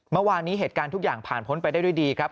เมื่อวานนี้เหตุการณ์ทุกอย่างผ่านพ้นไปได้ด้วยดีครับ